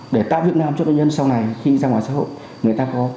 để tạo hướng nam cho đối nhân sau này khi ra ngoài xã hội